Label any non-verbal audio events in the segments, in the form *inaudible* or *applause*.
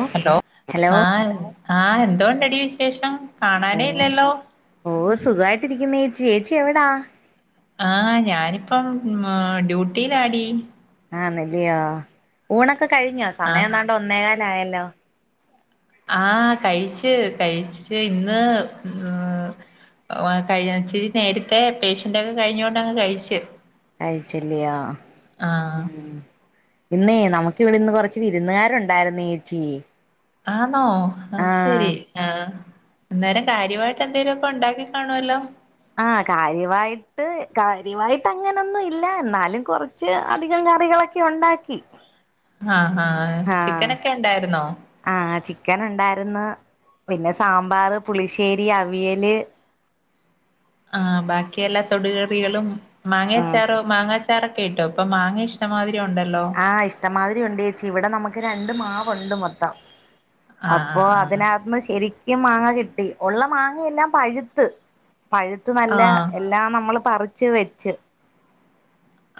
ഓ hello hello ആഹ് ആഹ് എന്തോണ്ടടി വിശേഷം ഓ കാണാനേ ഇല്ലല്ലോ ഓ സുഖായിട്ടിരിക്ക്‌ന്ന് യേച്ചി യേച്ചി എവ്ടാ ആഹ് ഞാനിപ്പം മ് ഡ്യൂട്ടിയിലാടി ആണെല്ലിയോ ഊണൊക്കെ കഴിഞ്ഞോ സമയം ആഹ് എന്താണ്ട് ഒന്നേ കാലയല്ലോ ആ ഹ് കഴിച്ച് കഴിച്ച് ഇന്ന് ഉം ഓ കഴി ഇച്ചിരി നേരത്തെ പേഷ്യന്റൊക്കെ കഴിഞ്ഞോണ്ടങ് കഴിച്ച് കഴിച്ചല്യിയോ ആഹ് ഉം ഇന്നേ നമുക്ക് ഇവിടെന്ന് കൊറച്ച് വിരുന്നുകാരുണ്ടായിരുന്നു യേച്ചി ആന്നോ അത് ശെരി ആഹ് അന്നേരം കാര്യവായിട്ട് എന്തെലൊക്കെ ഉണ്ടാക്കി കാണുവല്ലോ ആഹ് കാര്യമായിട്ട് കാര്യമായിട്ട് അങ്ങനൊന്നും ഇല്ല എന്നാലും കൊറ ച്ച് അധികം കറികളൊക്കെയൊണ്ടാക്കി ആഹ് ആഹ് ചിക്കനൊക്കെയിണ്ടായിരുന്നോ ആഹ് ചിക്കന്ണ്ടായിര്ന്ന് പിന്നെ സാമ്പാർ, പുളിശ്ശേരി, അവിയല് ആഹ് ബാക്കി എല്ലാ തൊടുകറികളും മാങ്ങച്ചാറും മാങ്ങാച്ചാറൊക്കെ ഇട്ടോ ഇപ്പൊ മാങ്ങ ഇഷ്ടം മാതിരി ഉണ്ടല്ലോ ആഹ് ഇഷ്ടമാതിരി ഉണ്ട് യേച്ചി ഇവിടെ നമുക്ക് രണ്ട് മാവുണ്ട് മൊത്തം ആഹ് അപ്പൊ ആഹ് ആഹ് അതിനകത്ത്ന്ന് ശെരി ക്കും മാങ്ങ കിട്ടി ഉള്ള മാങ്ങ എല്ലാം പഴുത്ത് പഴ് ത്ത് നല്ല ആഹ് എല്ലാം നമ്മള് പറിച്ച് വെച്ച്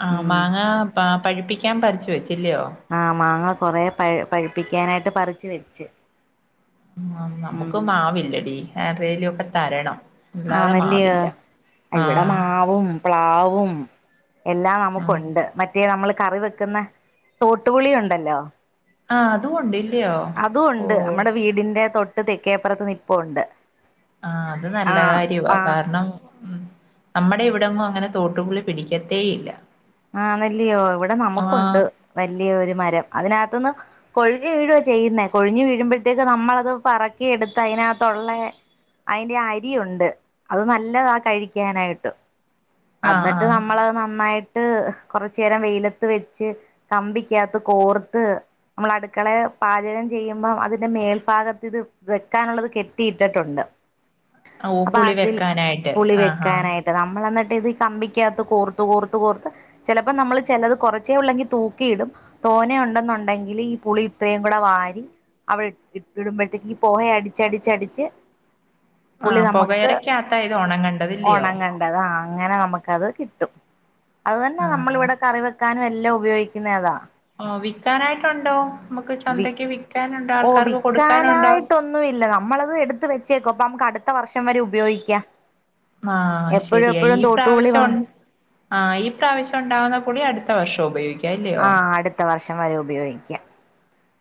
ആഹ് ഉം മാങ്ങ പ പഴിപ്പിക്കാൻ പറിച്ചു വെച്ച് അല്ലിയോ ആഹ് മാങ്ങ കൊറേ പ പഴിപ്പിക്കാനായിട്ട് പറിച്ച് വെച്ച് ഉം ന ഉം നമുക്ക് മാവില്ലെടി ആരേലോക്കെ തരണം അല്ലാതെ ആണല്ലിയോ മാവില്ല ഇവിടെ ആഹ് മാവും പ്ലാവും എല്ലാം ആഹ് നമുക്കുണ്ട് മറ്റേ നമ്മള് കറി വെക്കുന്നെ തോട്ടുപുളിയുണ്ടല്ലോ ആ അത് കൊണ്ടില്ല്യോ അതുംണ്ട് നമ്മുടെ വീടിന്റെ തൊട്ട് തെക്കേപ്പറത്ത് നിപ്പുണ്ട് അ ആഹ് അത് നല്ല കാര്യ ആ കാരണം ഉം നമ്മടെ ഇവിടൊന്നും അങ്ങനെ തോട്ടുപുളി പിടിക്കത്തേ ഇല്ല ആണല്യോ ഇവിടെ ആഹ് നമുക്കുണ്ട് വല്ല്യൊരു മരം അതിനത്ത്ന്ന് കൊഴിനു വീഴുവാ ചെയ്യുന്നെ കൊഴിഞ്ഞ് വീഴ്മ്പഴത്തേക്ക് നമ്മളത് പറക്കി എടുത്ത് അതിനകത്തൊള്ളെ അയ്ന്റെ അരി ഉണ്ട് അത് നല്ലതാ കഴിക്കാനായിട്ട് ആഹ് എന്നിട്ട് ആഹ് നമ്മൾ അത് നന്നായിട്ട് കൊറച്ചേരം വെയിലത്ത് വെച്ച് കമ്പിക്കാത്ത് കോർത്ത് നമ്മള് അടുക്കളെ പാചകം ചെയ്യുമ്പം അതിന്റെ മേൽഭാഗത്ത് ഇത് വെക്കാനുള്ളത് കെട്ടിയിട്ടിട്ടുണ്ട് ഓ അപ്പൊ പുളി അതിൽ വെക്കാനായിട്ട് പുളി ആഹ് ആഹ് വെക്കാനായിട്ട് നമ്മൾ എന്നിട്ട് ഇത് കമ്പിക്കാത്ത് കോർത്ത് കോർത്ത് കോർത്ത് ചെലപ്പോ നമ്മൾ ചെ ലത് കൊറച്ചേ ഉള്ളെങ്കി തൂക്കിയിടും തോനെ ഉണ്ടെന്നുണ്ടെങ്കില് ഈ പുളി ഇത്രയും കൂടെ വാരി അവിടെ ഇ ഇടുമ്പഴത്തേക്ക് പൊക അടിച്ചടിച്ചടിച്ച് പുളി ആഹ് നമുക്ക് പൊകയറക്കകത്താ ഇത് ഒ ണംകണ്ടതില്ല്യോ അതാ അങ്ങനെ നമ്മക്കത് കിട്ടും അത് തന്നെ നമ്മള് ആഹ് ഇവിടെ കറി വെക്കാനും എല്ലാം ഉപയോഗിക്കുന്നെതാ ഓ വിക്കാനായിട്ടുണ്ടോ നമ്മക്ക് വി ചന്തക്ക് വിക്കാനുണ്ടോ ആൾക്കാർക്ക് കൊടുക്കാനുണ്ടൊ ഒന്നും ഇല്ല നമ്മളത് എടുത്ത് വെച്ചേക്കും അപ്പ മക്ക് അടുത്ത വർഷം വരെ ഉപയോഗിക്കാ ആഹ് ശരിയ ഈ തോട്ടുപുളി പ്രാവശ്യം വാ ഒണ് ആഹ് ഈ പ്രാവശ്യം ഉണ്ടാവുന്ന പു ളി അടുത്ത വർഷം ഉപയോഗിക്കും ആഹ് അടുത്ത വർഷം വരെ ഉപയോഗിക്കാം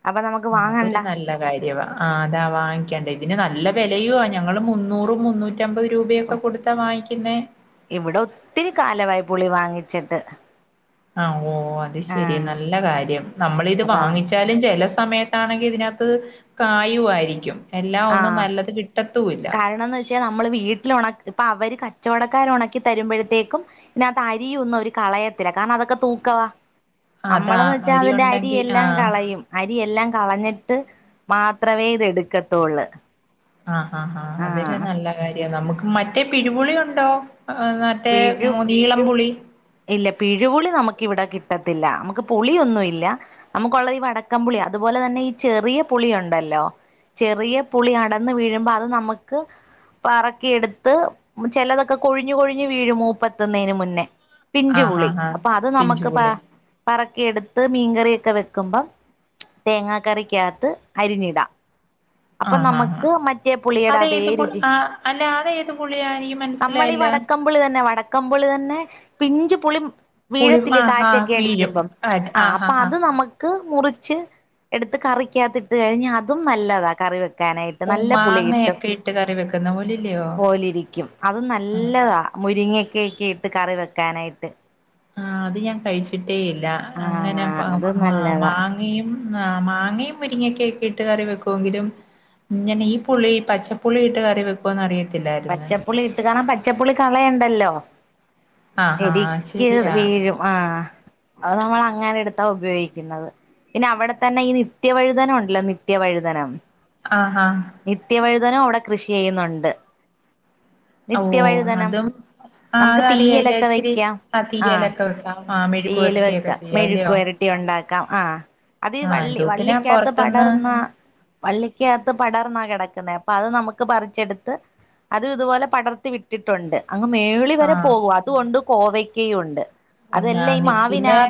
അപ്പൊ നമുക്ക് ആ അതൊരു വാങ്ങണ്ട നല്ല കാര്യാവാ ആ അതാ വാങ്ങിക്കണ്ടേ ഇതിന് നല്ല വെലയു ആ ഞങ്ങള് മുന്നൂറും മുന്നൂറ്റി അ അമ്പത് രൂപയൊക്കെ കൊടുത്താ വാങ്ങിക്കുന്നെ ഇവിടെ ഒത്തിരി കാലമായി പുളി വാങ്ങിച്ചിട്ട് ആഹ് ഓ അത് ശെരി ആഹ് നല്ല കാര്യം നമ്മൾ ഇത് അതാ വാങ്ങിച്ചു എന്തായ്ലും ചെല സമയത്താണെങ്കിൽ ഇതിനകത്ത് കായും ആയിരിക്കും എല്ലാം ഒന്നു നല്ലത് കിട്ടത്തൂല്ല പക്ഷ നമ്മള് വീട്ടില് ഒണ പ്പൊ അവര് കച്ചവടക്കാര് ഒണക്കി തരുമ്പഴത്തേക്കും ഇതിനാത്ത് അരി ഒന്നും അവര് കളയത്തില്ല കാരണം അതൊക്കെ തൂക്കവാ അതാ നമ്മള്ന്ന് വെച്ചാ അരി അതിന്റെ ഉണ്ടെങ്കി അരിയെല്ലാം ആഹ് കളയും അരിയെല്ലാം കളഞ്ഞിട്ട് മാത്രവേ ഇത് എടുക്കത്തൊള്ള് ആഹ് ആഹ് ആഹ് അതൊരു നല്ല കാര്യ നമുക്ക് മറ്റേ പിരി പുളിയു ണ്ടോ അ മറ്റേ പിഴു മൊതീളം പുളി ഇല്ല പിരിപുളി നമുക്കിവിടെ കിട്ടത്തില്ല നമുക്ക് പുളിയൊന്നുംല്ല നമുക്കുള്ളത് ഈ വടക്കം പുളിയാ അതുപോലെ തന്നെ ഈ ചെറിയ പുളി ഉണ്ടല്ലൊ ചെറിയ പുളി അടന്ന് വീഴുമ്പൊ അത് നമുക്ക് പറക്കി എടുത്ത് ചെലതൊക്കെ കൊഴിഞ്ഞു കൊഴിഞ്ഞ് വീഴും മൂപ്പെ ത്തുന്നേന് മുന്നെ ആഹ് പിഞ്ചുപുളി ആഹ് ആഹ് അപ്പൊ അത് പിഞ്ചു നമക്ക് പ പുളി പറക്കിയെടുത്ത് മീൻകറിയൊക്കെ വെക്കുമ്പം തേങ്ങാ കറിക്കാത്ത് അരിഞ്ഞിടാം അപ്പൊ ആഹ് ആഹ് ആഹ് നമക്ക് മറ്റേ പുളിയിടെ അതേ അതേത് പു രുചി. ആഹ് അല്ല അതേത് പുളിയാ എനിക്ക് നമ്മളീ മനസ്സിലായില്ല വടക്ക ക്കം പുളി തന്നെ വടക്കംപുളി തന്നെ പിഞ്ച് പുളി പുളി വീഴത്തില്ലെ ആഹ് ആഹ് കാറ്റെക്കെ വീഴും അടിക്കുമ്പം ആഹ് അപ്പ അത് നമ ക്ക് മുറിച്ച് എട്ത്ത് കറിക്കകത്തിട്ട് കഴിഞ്ഞ അതും നല്ലതാ കറിവെ ക്കാനായിട്ട് ഓഹ് നല്ല പുളി കിട്ടും. മാങ്ങയൊക്കെ ഇട്ട് കറി വെക്കുന്ന പോലില്ലയോ പോലി രിക്കും അത് ആഹ് നല്ലതാ മുരിങ്ങക്കെക്കെ ഇട്ട് കറി വെക്കാനായിട്ട് ആഹ്. അത് ഞാൻ കഴിച്ചിട്ടേയില്ല. അങ്ങനെ ആഹ് പ അത് മാ നല്ലതാ മാങ്ങയും ആഹ് മാങ്ങയും മുരിങ്ങക്കക്കെ ഇട്ട് കറി വെക്കൊങ്കിലും ഇങ്ങനെ ഈ പുളി പച്ചപ്പുളിയിട്ട് കറി വെ പ്പോന്നറിയത്തില്ല ആഹ് പച്ചപ്പുളിട്ട്കാണ പച്ചപ്പുളി കളയണ്ടല്ലോ ആഹ് ആഹ് എതിക്ക് ശരിയാ വീഴും. ആഹ് അത് നമ്മള അങ്ങനെയെട്ത്താ ഉപയോഗിക്കുന്നത്. പിന്നെ അവടെ തന്നെ ഈ നിത്യവഴുതന ഒണ്ടല്ലോ നിത്യവഴ്തന ആഹ് ആഹ് നിത്യവഴുതനും വടെ കൃഷി ചെയ്യുന്നുണ്ട്. ഓഹ് നിത്യവഴുതനം അതും ആഹ് നമുക്ക് അതറിയായില്ല തീയ്യലെക്കെ ഇച്ചിരി വെയ്ക്കാം. ആഹ് തീയലൊക്കെ വെക്കാം ആഹ് മെഴുക്ക് തീയ്യല് പുരട്ടിയൊക്കെ വെക്കാം. ചെയ്യാം മെഴുക്ക് അല്ലയോ വെരട്ടിയൊണ്ടാക്കാം ആഹ് അത് ഈ ആഹ് വള്ളി എന്തോത്തിനാ വള്ളിക്കാത്ത് പൊറത്തുന്ന് പടർന്ന വള്ളിക്കാകത്ത് പടർന്നാകെടക്കുന്നേ അപ്പ അത് നമുക്ക് പറിച്ചെട്ത്ത് അതും ഇതുപോലെ പടർത്തി വിട്ടിട്ടുണ്ട്. അങ്ങ് മേളി വരെ ആഹ് പോകും. അതു ഒണ്ട് കോവയ്ക്കയൊണ്ട്. ഉണ്ടാ നിക്കില്ലേ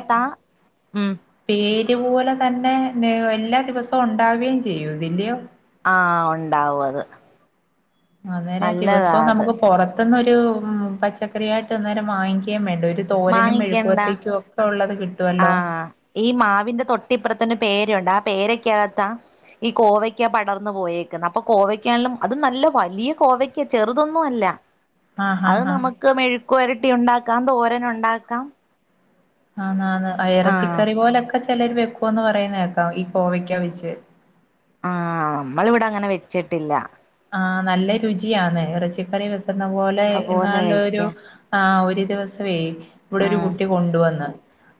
ഉം പേര് പോലെ തന്നെ നേ എല്ലാ ദിവസവും ഒണ്ടാവേം ചെയ്യുവെ ല്യൊ. ആഹ് ഒണ്ടാവും അത് അന്നേരം നല്ലതാ ദിവസവും അത് നമുക്ക് പൊറത്ത്ന്നൊരു മ് പച്ചക്കറായിട്ട് അന്നേരം വാങ്ങിക്കേയും വേണ്ടെ രു തോരനും, മെഴുക്കു വാങ്ങിക്കണ്ടാ വെർട്ടിക്കും ഒക്കെള്ളത് കിട്ടും ആഹ് ഈ മാവിൻ്റെ തൊട്ടിപ്പുറത്തെന്നെ പേര ഒണ്ട്. ആ പേരക്കെകത്താ ഈ കോവയ്ക്ക പടർന്ന് പോയേക്കുന്നെ അപ്പം കോവയ്ക്കേലും അത് നല്ല വലിയ കോവ യ്ക്ക ചെറുതൊന്നും അല്ല. ആഹ് അത് ആഹ് ആഹ് നമക്ക് മെഴുക്കു വെരട്ടി ഉണ്ടാക്കാം തോരനുണ്ടാക്കാം ആന്ന് ആന്ന് ആ ആഹ് ഇറച്ചിക്കറി പോലൊക്കെ ചെലര് വെക്കൂന്ന് പറയുന്നെ കേക്കാം. ഈ കോവയ്ക്കാ വെച്ച്. ആഹ് നമ്മളിവ്ടെ അങ്ങനെ വെച്ചിട്ടില്ല. ആഹ് നല്ല രുചിയാന്നെ. ഇറച്ചിക്കറി വെക്കുന്ന പോലെ പോലെ വെക്ക എന്നാലൊരു ആഹ് ഒരു ദിവസ്സവേ വടെ ഒരു ആഹ് കുട്ടി കൊണ്ടുവന്ന്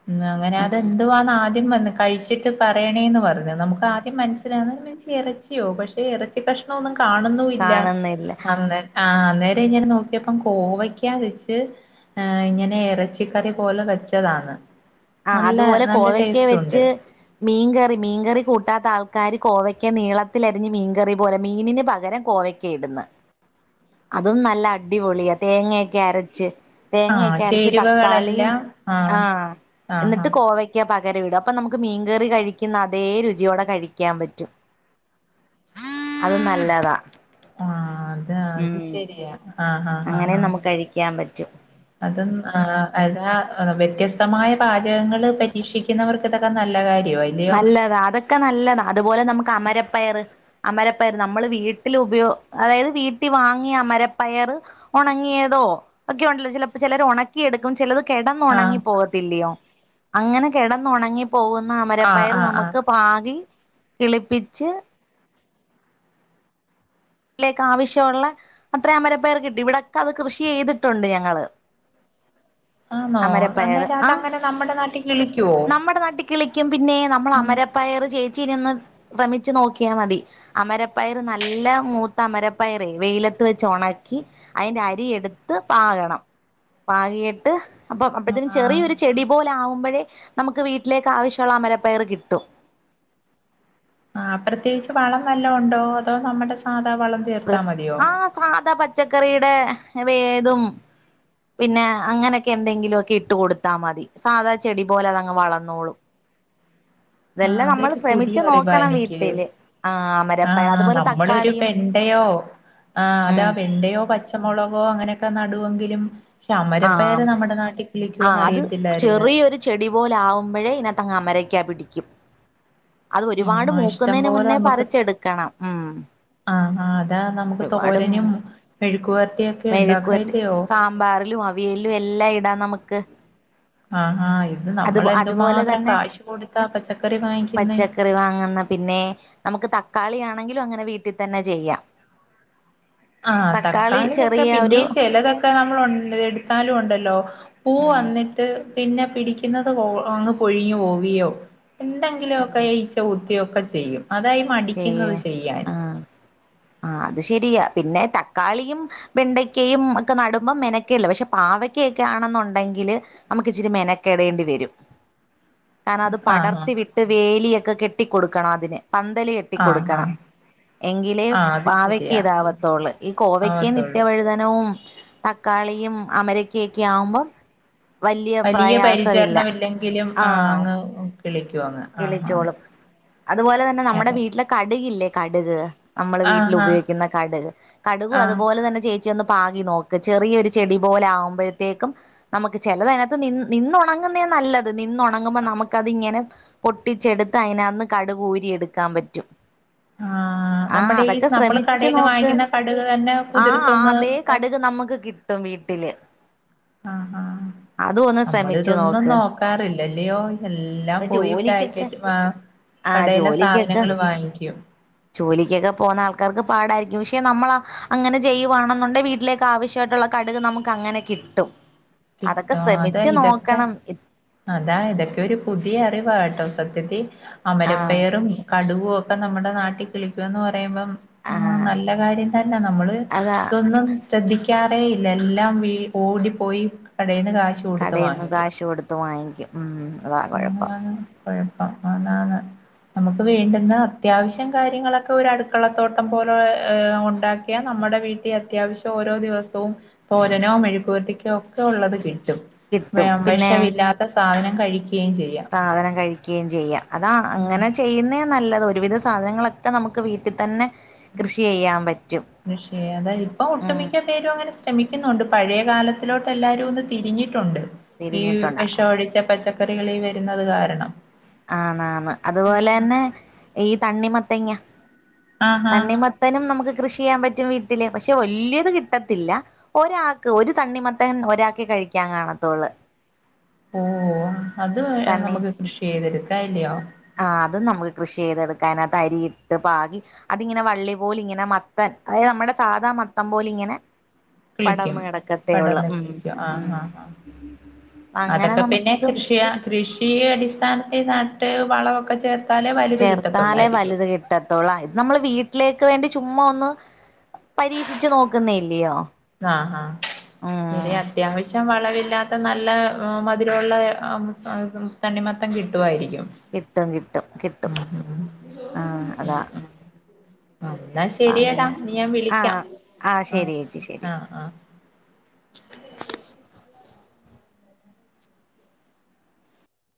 ഉം. ആഹ് അങ്ങനെയതെന്തുവാന്നആദ്യം വന്ന് കഴിച്ച് ച്ചിട്ട് പറയണേന്ന് പർഞ്ഞു. നമുക്ക് ആദ്യം മൻസിലാ *unintelligible* ഇറച്ചിയോ പക്ഷെ ഇറച്ചി കഷ്ണോന്ന് കാണുന്നൂല്ല. കാണുന്നില്ല അന്നേ ആഹ് അന്നേരം ഇങ്ങനെ നോക്കിയപ്പം കോവക്കാ വെച്ച് ആഹ് ഇങ്ങനെ എറച്ചിക്കറി പോലെ വെച്ചതാണ് ആഹ് അതുപോലെ കോവയ്ക്കാ വെച്ച് മീൻകറി മീൻകറി കൂട്ടാത്ത ആൾക്കാര് കോവയ്ക്കാ നീളത്തിലരിഞ്ഞ് മീൻകറി പോലെ മീനിന് പകരം കോവയ് ഇടുന്ന് അതും നല്ല അടിപൊളിയാ തേങ്ങക്കെ അരച്ച് ആഹ് തേങ്ങക്കെ അരച്ച് തക്കാളിയും ചേരുവകളെല്ലാം ആഹ് ആഹ് ആഹ് ന്ന്ട്ട് കോവ ക്ക പകരം ഇടും അപ്പം നമക്ക് മീൻകറി കഴിക്കുന്ന അതേ രുചിയോടെ കഴിക്കാം പറ്റും. അത് നല്ലതാ ആഹ് അതാ അത് ഉം ശരിയാ. ആഹ് ആഹ് ആഹ് അങ്ങനെ ആഹ് നമുക്ക് കഴിക്കാൻ പറ്റും അതും അതാ വ്യത്യസ്തമായ പാചകങ്ങൾ പരീക്ഷിക്കുന്നവർക്ക് തൊക്കെ നല്ല കാര്യമായി നല്ലതാ അതൊക്കെ നല്ലതാ അതുപോലെ നമുക്ക് അമരപ്പയറ് അമരപ്പയർ നമ്മള് വീട്ടിൽ ഉപയ അതായത് വീട്ടിൽ വാങ്ങിയ അമരപ്പയർ ഉണങ്ങിയതോ ഒക്കെണ്ടല്ലോ ചിലപ്പോ ചിലർ ഉണക്കിയെടുക്കും ചിലത് ആഹ് കിടന്നുണങ്ങി പോകത്തില്ലയോ അങ്ങനെ കിടന്നുണങ്ങി പോകുന്ന ആഹ് അമരപ്പയർ ആഹ് ആഹ് നമുക്ക് പാകി കിളിപ്പിച്ച് ലേക്ക് ആവശ്യമുള്ള അത്രേം അമര പയർ കിട്ടി ഇവിടൊക്കെ അത് കൃഷി ചെയ്തിട്ടുണ്ട് ഞങ്ങള് ആന്നോ അമരപ്പയർ അന്നേരം അത് ആ അങ്ങനെ നമ്മുടെ നാട്ടിൽ കിളിക്കോ നമ്മുടെ നാട്ടിൽ കിളിക്കും പിന്നെ നമ്മൾ അമരപ്പയറ് ചേച്ചീരിന്ന് ശ്രമിച്ചു നോക്കിയാ മതി അമരപ്പയർ നല്ല മൂ ത്തമരപ്പയറ വെയിലത്ത് വെച്ച് ഒണക്കി അതിന്റെ അരിയടുത്ത് പാകണം പാകിയിട്ട് അപ്പൊ അപ്പോത്തിനും ആഹ് ചെറിയൊരു ചെടി പോലെ ആകുമ്പഴേ നമുക്ക് വീട്ടിലേക്ക് ആവശ്യമുള്ള അമരപ്പയർ കിട്ടും ആ പ്രത്യേകിച്ച് വളം വല്ലോ ഉണ്ടോ അതോ നമ്മടെ സാധാ വളം ചേർത്താ മതിയോ ആ സാധാ പച്ചക്കറിയുടെ വേതും പിന്നെ അങ്ങനൊക്കെ എന്തെങ്കിലുക്കെ ഇട്ട് കൊടുത്താൽ മതി സാധാ ചെടി പോലെ അതങ്ങ് വളന്നോളും ആ അതൊരു ശ്രമിച്ചു പുതിയ അറിവാ നോക്കണം എനിക്ക് വീട്ടില് ആ ആ അമരപ്പയർ അതുപോലെ നമ്മളൊരു തക്കാളിയും വെണ്ടയോ ആ ഉം അതാ വെണ്ടയോ പച്ചമുളകോ അങ്ങനെക്കെ നടുവെങ്കിലും പക്ഷേ അമരപയറ് ആഹ് നമ്മുടെ നാട്ടിൽ ആഹ് കിളിക്കുവെന്ന് അത് അറിയത്തില്ലായിരുന്നു ചെറിയൊരു ചെടി പോലെ ആകുമ്പഴേ ഇതിനകത്തങ്ങ് അമരയ്ക്ക പിടിക്കും അത് ആഹ് ഒരുപാട് ആഹ് ഇഷ്ടം മൂക്കുന്നതിന് മുന്നേ പറിച്ചെടുക്കണം ഉം ആ ആ അതാ നമുക്ക് ഒരുപാട് തോരനും മെഴുക്ക് വരട്ടിയും ഒക്കെ ഉണ്ടാക്കല്ലയോ ലും അവിയലിലും എല്ലാം ഇടാം നമുക്ക് ആ ഇത് അത് നമ്മള് അതുപോലെ എന്തുമാത്രം തന്നെ കാശ് കൊടുത്താ പച്ചക്കറി വാങ്ങിക്കുന്നേ പൊയ് വാങ്ങുന്ന പിന്നെ നമുക്ക് തക്കാളി ആണെങ്കിലും അങ്ങനെ വീട്ടിൽ തന്നെ ചെയ്യാം ആ തക്കാളി തക്കാളിയൊക്കെ ചെറിയ ഒരു പിന്നെയും ചെലതൊക്കെ ഒക്കെ നമ്മള് ഉണ്ടല്ലോ എടുത്താലും ഉണ്ടല്ലോ പൂ ഉം വന്നിട്ട് പിന്നെ പിടിക്കുന്നത് കൊ അങ്ങ് പൊഴിഞ്ഞു പോവിയോ എന്തെങ്കിലുമൊക്കെ ഉം ഈച്ച കു ത്തുകയോ ഒക്കെ ചെയ്യും അതായി ചെയ്യ മടിക്കുന്നത് ചെയ്യാൻ ആഹ് ആ അത് ശരിയാ പിന്നെ തക്കാളിയും വെണ്ടയ്ക്കയും ഒക്കെ നടുമ്പം മെനക്കേല്ല പക്ഷേ പാവക്കൊക്കെ ആണെന്നുണ്ടെങ്കില് നമുക്ക് ഇച്ചിരി മെനക്കെടേണ്ടി വരും *inaudible* കാരണം അത് ആഹ് പടർത്തി വിട്ട് വേലിയൊക്കെ കെട്ടിക്കൊടുക്കണം അതിന് പന്തല് കെട്ടി ആഹ് ആഹ് കൊടുക്കണം ആഹ് എങ്കിലെ ആഹ് അത് പാവക്ക ശരിയാ ഉം. ഇതാവത്തോള്ളൂ ഈ കോവക്കയും ആവത്തുള്ളൂ നിത്യവഴുതന നവും തക്കാളിയും അമരക്കൊക്കെ ആവുമ്പോ വല്ല്യ വലിയ പ്രയാസമില്ല ആ ഉം കിളിക്കുവോന്ന് കിളിച്ചോളും അതുപോലെ തന്നെ നമ്മുടെ അതെ വീട്ടിലെ കടുകില്ലേ കടുക് നമ്മള് വീട്ടിൽ ആഹ് ആഹ് ഉപയോഗിക്കുന്ന കടുക് കടുകും ആഹ് അതുപോലെ തന്നെ ചെ ചെന്ന് പാകി നോക്ക് ചെറിയൊരു ചെടി പോലെ ആകുമ്പോഴത്തേക്കും നമുക്ക് ചിലതിനകത്ത് നി നിന്നുണങ്ങുന്നേ നല്ലത് നിന്നുണങ്ങുമ്പോ നമുക്കത് ഇങ്ങനെ പൊട്ടിച്ചെടുത്ത് അതിനകന്ന് കടുക് ഊരി എടുക്കാൻ പറ്റും ആഹ് ആഹ് ആ നമ്മുടെ ഈ അതൊക്കെ നമ്മള് ശ്രമിച്ചു കടയെന്നു നോക്ക് വാങ്ങിക്കുന്ന കടക് തന്നെ കുതിർത്തൊന്ന് ട്ടും വീട്ടില് ആഹ് ഹാ അതും ഒന്ന് നമ്മള് ശ്രമിച്ചു ഇതൊന്നും നോക്ക് നോക്കാറില്ലല്ലയോ എല്ലാം അപ്പൊ പോയി പാ ജോലിക്കൊക്കെ ക്കറ്റായിറ്റ് ആ കടയിലെ സാധനങ്ങൾ വാങ്ങിക്കും ജോലിക്കെക്കെ പോകുന്ന ആൾക്കാർക്ക് പാടായിരിക്കും പക്ഷേ നമ്മളാ അങ്ങനെ ചെയ്യുവാണെന്നുണ്ടേ വീട്ടിലേക്ക് ആവശ്യമായിട്ടുള്ള കടുക് നമുക്ക് അങ്ങനെ കിട്ടും അതൊക്കെ കിട്ടോ അതാ ശ്രമിച്ച് ഇതൊക്കെ നോക്കണം ഇ അതാ ഇതൊക്കെ ഒരു പുതിയ അറിവാ കേട്ടോ സത്യത്തിൽ ആഹ് അമരപയറും കടുകും ഒക്കെ നമ്മുടെ നാട്ടിൽ കിളിക്കുവാന്ന് പറയുമ്പം ആഹ് നല്ല കാര്യം തന്നാ നമ്മള് അതാ ഇതൊന്നും ശ്രദ്ധിക്കാറേ ഇല്ല എല്ലാം വീ ഓടിപ്പോയി കടേയ്ന്ന് കാശ് കൊടുത്ത് കടേന്ന് കാശ് കൊടുത്ത് വാങ്ങിക്കും ഉം അതാ കുഴപ്പം അങ്ങനെയാണ് കുഴപ്പം അതാണ് നമുക്ക് വേണ്ടുന്ന അത്യാവശ്യം കാര്യങ്ങളൊക്കെ ഒരു അടുക്കളത്തോട്ടം പോലെ ഒണ്ടാ ക്കിയാനമ്മടെ വീട്ടിൽ അത്യാവശ്യം ഓരോ ദിവസവും തോരനോ മെഴുക്കുപുരട്ടിക്കോ ഒക്കെ ഉള്ളത് കിട്ടും വെ കിട്ടും പിന്നെ വെഷവില്ലാ ത്ത സാധനം കഴിക്കേം ചെയ്യാം സാധനം കഴിക്കേം ചെയ്യാം അതാ ഉം അങ്ങനെ ചെ ചെയ്യുന്നേ നല്ലത് ഒരുവിധം സാധനങ്ങളൊക്കെ നമുക്ക് വീട്ടിതന്നെ കൃഷി ചെയ്യാൻ പറ്റും കൃഷി അത ഇപ്പൊ ഉം ഒട്ടുമിക്ക പേരും അങ്ങനെ ശ്രമിക്കുന്നുണ്ട് പഴയെ കാലത്തിലോട്ട് എല്ലാരും ഒന്ന് തിരിഞ്ഞിട്ടുണ്ട് ഈ തിരിഞ്ഞിട്ടുണ്ട് വെഷവടിച്ച പച്ചക്കറികളീ വരുന്നത് കാരണം ആണാണ് അതുപോലെയന്നെ ഈ തണ്ണിമത്തങ്ങ ആഹാ തണ്ണിമ ത്തനും നമുക്ക് കൃഷി ചെയ്യാൻ പറ്റും വീട്ടില് പക്ഷെ വല്യെത് കിട്ടത്തില്ല ഒരാക്ക് ഒരു തണ്ണിമത്തൻ ഒരാക്കേ കഴിക്കാൻ കാണത്തുള്ളൂ ഏഹ് ഹേ അത് നമുക്ക് കൃഷി ചെയ്തെടുക്കാല്ലിയോ ആഹ് അതും നമുക്ക് കൃഷി ചെയ്തെടുക്കാ അയ്നകത്ത് അരി ഇട്ട് പാകി അതിങ്ങനെ വള്ളി പോലിഇങ്ങനെ മത്തൻ അതായത് നമ്മുടെ സാധാ മത്തം പോലി ങ്ങനെ കിളിക്കും പടർന്ന് ഉം കിളിക്കും ആഹ് ഉം ആഹ് ആഹ് അങ്ങനെ അതൊക്കെ പിന്നെ നമുക്കതും കൃഷിയ കൃഷി അടിസ്ഥാനത്തി നട്ട് വളവൊക്കെ ചേർ ത്താലേ വലുത് കിട്ടത്തൊള്ളായിരിക്കും കിട്ടത്തൊള്ള ഇത് നമ്മള് വീട്ടിലേക്ക് വേണ്ടി ചുമ്മാ ഒന്ന് പരീക്ഷിച്ചച്ച് നോക്കുന്നേല്ലിയോ ആഹ് ആഹ് ശരി ഉം അത്യാവശ്യം വളവില്ലാത്ത നല്ല മധിരവുള്ളെ തണ്ണിമത്തം കിട്ടുവായിരിക്കും കിട്ടും കിട്ടും കിട്ടും ഉം ഉം ആഹ് അതാ ഉം ഉം എന്നാ അപ്പ ശരിയടാ അങ്ങ ഇനി ഞാ വിളിക്കാം ആഹ് ആഹ് ശെരിയേച്ചി ശരി ആഹ് ആഹ്